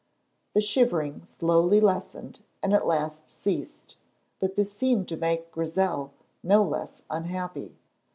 The shivering slowly lessened and at last ceased, but this seemed to make Grizel no less unhappy.